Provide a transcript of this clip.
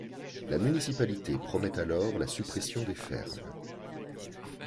La municipalité promet alors la suppression des fermes.